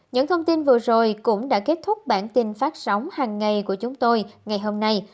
những thông tin vừa rồi cũng đã kết thúc bản tin phát sóng hàng ngày của chúng tôi ngày hôm nay